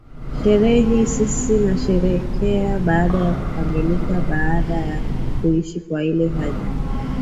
sherehe hii sisi nasherehekea baada ya kukamilika baada ya kuisha kwa ile hajj